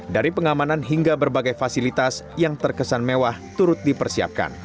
dari pengamanan hingga berbagai fasilitas yang terkesan mewah turut dipersiapkan